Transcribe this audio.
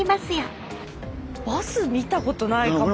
バス見たことないかも。